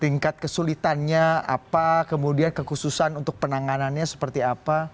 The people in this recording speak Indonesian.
tingkat kesulitannya apa kemudian kekhususan untuk penanganannya seperti apa